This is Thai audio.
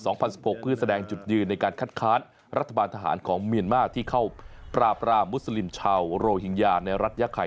เพื่อแสดงจุดยืนในการคัดค้านรัฐบาลทหารของเมียนมาร์ที่เข้าปราบรามมุสลิมชาวโรฮิงญาในรัฐยาไข่